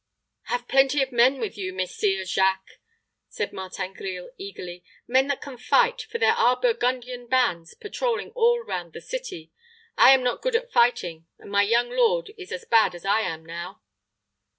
"Have plenty of men with you, Messire Jacques," said Martin Grille, eagerly; "men that can fight, for there are Burgundian bands patrolling all round the city. I am not good at fighting, and my young lord is as bad as I am now."